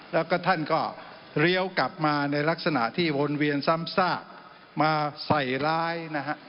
แล้วก็ท่านก็เลี้ยวกลับมาในลักษณะที่วนเวียนซ้ำซากมาใส่ร้ายนะฮะ